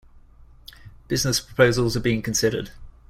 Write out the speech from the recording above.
Business proposals are being considered.